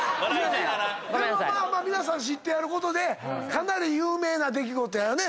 でも皆さん知ってはることでかなり有名な出来事やね。